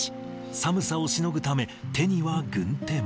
寒さをしのぐため、手には軍手も。